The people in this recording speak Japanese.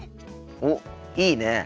おっいいねえ。